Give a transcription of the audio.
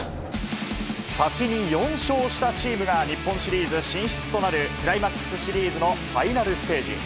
先に４勝したチームが、日本シリーズ進出となるクライマックスシリーズのファイナルステージ。